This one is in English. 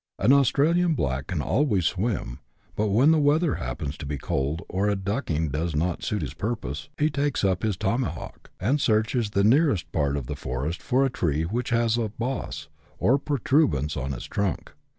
An Australian black can always swim ; but when the weather happens to be cold, or a ducking does not suit his purpose, he takes up his tomahawk, and searches the nearest part of the forest for a tree which has a boss, or protuberance, on its trunk.